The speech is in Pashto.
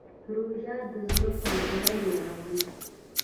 روژه د زړه پاکوالی راوړي.